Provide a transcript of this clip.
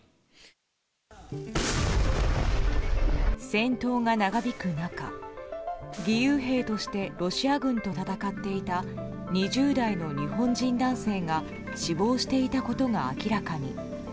戦闘が長引く中義勇兵としてロシア軍と戦っていた２０代の日本人男性が死亡していたことが明らかに。